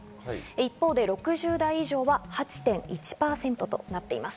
一方で６０代以上は８．１％となっています。